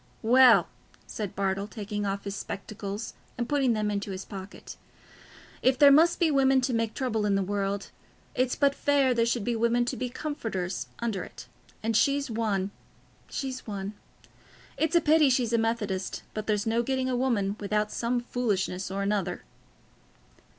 "Well," said Bartle, taking off his spectacles and putting them into his pocket, "if there must be women to make trouble in the world, it's but fair there should be women to be comforters under it; and she's one—she's one. It's a pity she's a Methodist; but there's no getting a woman without some foolishness or other."